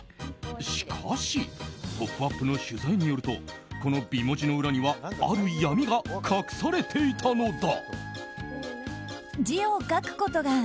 しかし「ポップＵＰ！」の取材によるとこの美文字の裏にはある闇が隠されていたのだ。